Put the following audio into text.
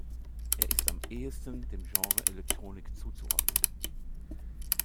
Es ist am ehesten dem Genre Electronic zuzuordnen.